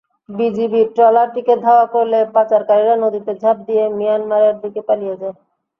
BGB ট্রলারটিকে ধাওয়া করলে পাচারকারীরা নদীতে ঝাঁপ দিয়ে মিয়ানমারের দিকে পালিয়ে যায়।